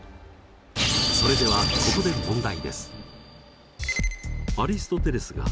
それではここで問題です。